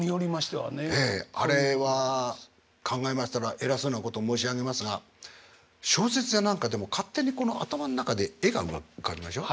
あれは考えましたら偉そうなこと申し上げますが小説や何かでも勝手にこの頭ん中で絵が浮かびましょ？